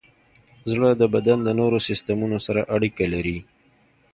زړه د بدن د نورو سیستمونو سره اړیکه لري.